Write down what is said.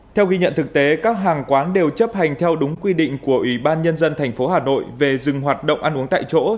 theo ghi nhận thực tế các hàng quán đều chấp hành theo đúng quy định của ủy ban nhân dân tp hà nội về dừng hoạt động ăn uống tại chỗ